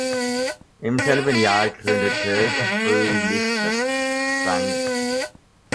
Im selben Jahr gründete Fröhlich das „St.